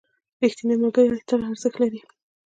ریښتیني ملګري تل ارزښت لري.